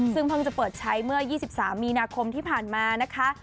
ซึ่งเพิ่งจะเปิดใช้เมื่อ๒๓มีนาคมที่ผ่านมานะคะ